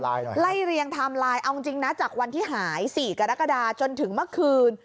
ไล่เรียงไทม์ไลน์เอาจริงนะจากวันที่หาย๔กรกฎาจนถึงเมื่อคืน